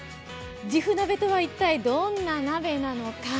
じふ鍋とは一体どんな鍋なのか。